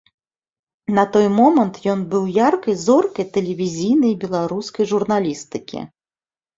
На той момант ён быў яркай зоркай тэлевізійнай беларускай журналістыкі.